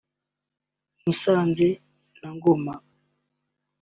Musanze na Ngoma